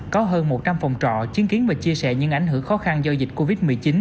có hơn một trăm linh phòng trọ chứng kiến và chia sẻ những ảnh hưởng khó khăn do dịch covid một mươi chín